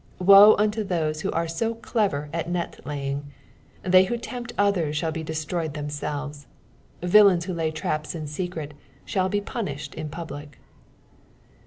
Woo unto those who are so cipher at uct laying: they who tempt others shall be destroyed themselves. Villains who lay traps in secret shall be punished in public.